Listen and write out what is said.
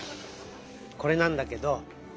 これなんだけど。